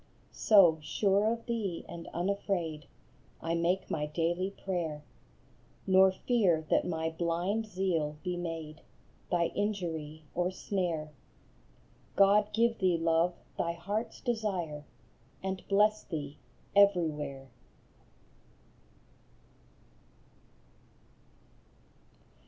So, sure of thee, and unafraid, I make my daily prayer, Nor fear that my blind zeal be made Thy injury or snare : God give thee, love, thy heart s desire, And bless thee everywhere